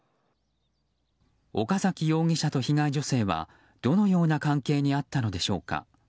岡崎容疑者と被害女性はどのような関係にあったのでしょうか。